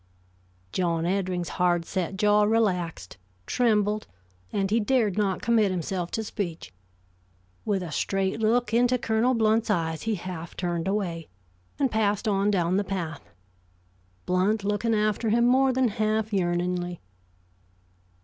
John Eddring's hard set jaw relaxed, trembled, and he dared not commit himself to speech. With a straight look into Colonel Blount's eyes, he half turned away, and passed on down the path, Blount looking after him more than half yearningly.